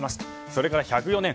それから１０４年